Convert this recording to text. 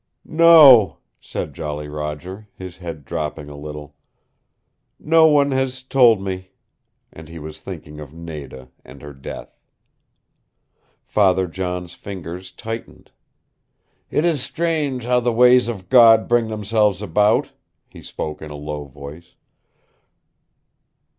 "No," said Jolly Roger, his head dropping a little. "No one has told me," and he was thinking of Nada, and her death. Father John's fingers tightened. "It is strange how the ways of God bring themselves about," he spoke in a low voice.